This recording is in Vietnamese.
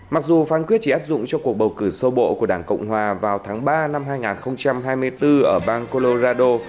mặc dù phán quyết chỉ áp dụng cho cuộc bầu cử sơ bộ của đảng cộng hòa vào tháng ba năm hai nghìn hai mươi bốn ở bang colorado